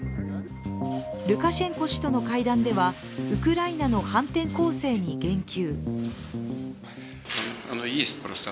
ルカシェンコ氏との会談ではウクライナの反転攻勢に言及。